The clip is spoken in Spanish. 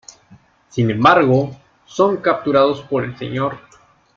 Sin embargo, son capturados por el Sr.